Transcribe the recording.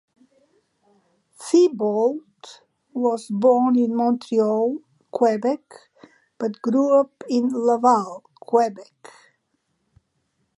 Thibault was born in Montreal, Quebec, but grew up in Laval, Quebec.